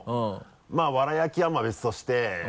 まぁわら焼きは別として。